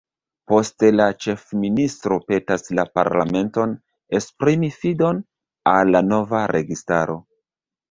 Poste la ĉefministro petas la parlamenton esprimi fidon al la nova registaro.